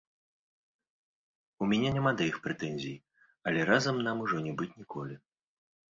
У мяне няма да іх прэтэнзій, але разам нам ужо не быць ніколі.